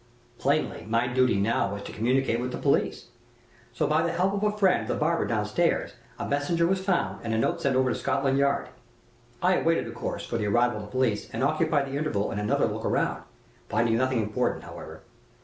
"Plainly, my duty now was to communicate with the police. So, by the help of my friend the barber down stairs, a messenger was found and a note sent over to Scotland Yard. I awaited, of course, for the arrival of the police, and occupied the interval in another look round finding nothing important, however.